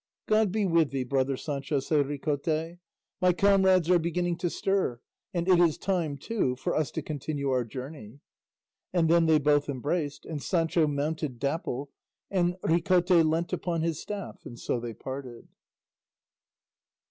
"God be with thee, brother Sancho," said Ricote; "my comrades are beginning to stir, and it is time, too, for us to continue our journey;" and then they both embraced, and Sancho mounted Dapple, and Ricote leant upon his staff, and so they parted.